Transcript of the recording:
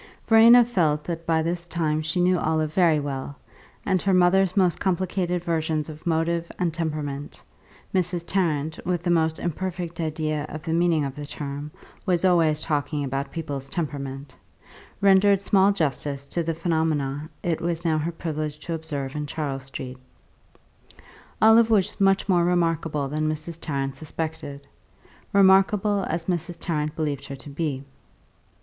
Verena felt that by this time she knew Olive very well, and her mother's most complicated versions of motive and temperament (Mrs. Tarrant, with the most imperfect idea of the meaning of the term, was always talking about people's temperament) rendered small justice to the phenomena it was now her privilege to observe in Charles Street. Olive was much more remarkable than Mrs. Tarrant suspected, remarkable as Mrs. Tarrant believed her to be.